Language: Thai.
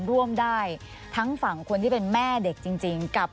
ควิทยาลัยเชียร์สวัสดีครับ